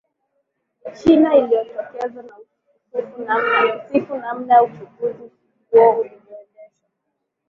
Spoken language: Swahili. ni china imejitokeza na kusifu namna uchaguzi huo ulivyoendeshwa